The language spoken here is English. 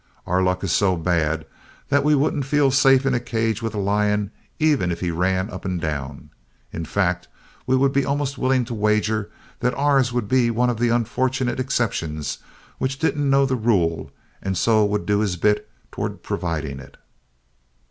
Our luck is so bad that we wouldn't feel safe in a cage with a lion even if he ran up and down. In fact, we would be almost willing to wager that ours would be one of the unfortunate exceptions which didn't know the rule and so would do his bit toward providing it.